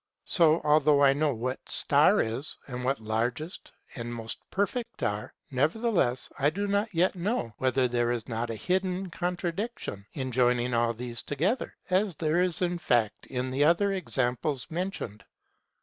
So although I know what star is, and what largest and most perfect are, nevertheless, I do not yet know whether there is not a hidden contradiction in joining all these together, as there is in fact in the other examples mentioned.